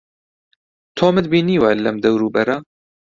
تۆمت بینیوە لەم دەوروبەرە؟